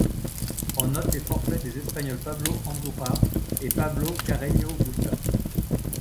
On note les forfaits des Espagnols Pablo Andújar et Pablo Carreño Busta.